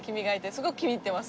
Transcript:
すごく気に入ってます。